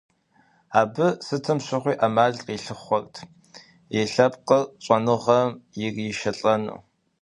Абы сытым щыгъуи Ӏэмал къилъыхъуэрт и лъэпкъыр щӀэныгъэм иришэлӀэну.